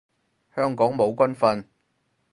香港冇軍訓